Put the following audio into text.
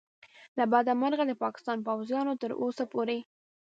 له بده مرغه د پاکستان پوځیانو تر اوسه پورې